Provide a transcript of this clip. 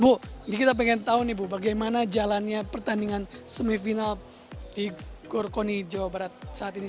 bu ini kita pengen tahu nih bu bagaimana jalannya pertandingan semifinal di gorkoni jawa barat saat ini